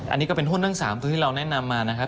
อันนี้ก็เป็นถ้วนฯที่เราแนะนำมานะครับ